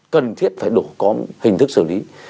cần thiết phải đủ có hình thức xử lý